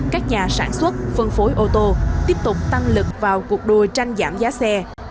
các nhà sản xuất phân phối ô tô tiếp tục tăng lực vào cuộc đua tranh giảm giá xe